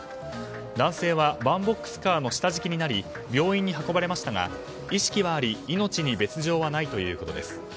男性はワンボックスカーの下敷きになり病院に運ばれましたが意識はあり命に別条はないということです。